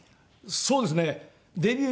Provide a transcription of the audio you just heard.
そうですねデビュー。